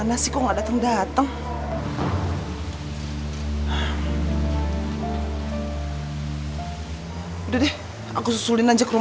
assalamualaikum bu cari heru